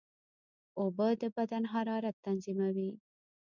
اوبه د بدن حرارت تنظیموي.